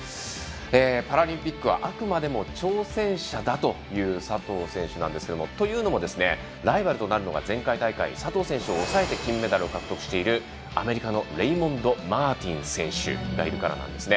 パラリンピックはあくまでも挑戦者だという佐藤選手なんですけれどもというのもライバルとなるのが前回大会、佐藤選手を抑えて金メダルを獲得しているアメリカのレイモンド・マーティン選手がいるからなんですね。